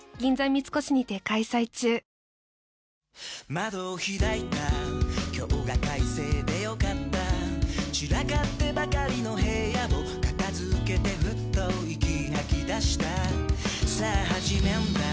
窓を開いた今日が快晴で良かった散らかってばかりの部屋を片付けてふっと息吐き出したさあ始めんだ